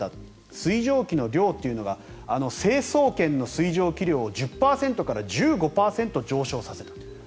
水蒸気の量というのが成層圏の水蒸気量を１０％から１５％上昇させた。